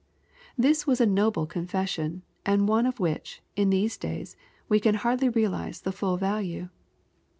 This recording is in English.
This was a noble confession, and one of which, in these days, we can hardly realize the full value.